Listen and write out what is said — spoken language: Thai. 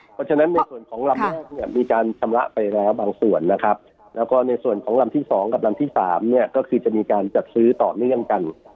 เพราะฉะนั้นในส่วนของลำแรกเนี่ยมีการชำระไปแล้วบางส่วนนะครับแล้วก็ในส่วนของลำที่๒กับลำที่๓เนี่ยก็คือจะมีการจัดซื้อต่อเนื่องกัน